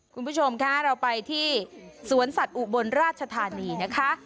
คุณผู้ชมค่ะเราไปที่สวนสัตว์อุบลราชธานีนะคะ